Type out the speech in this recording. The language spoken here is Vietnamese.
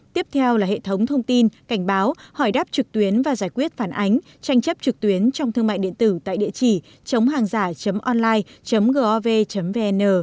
tiếp theo là hệ thống thông tin cảnh báo hỏi đáp trực tuyến và giải quyết phản ánh tranh chấp trực tuyến trong thương mại điện tử tại địa chỉ chống hàng giả online gov vn